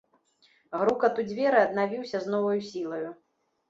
Грукат у дзверы аднавіўся з новаю сілаю.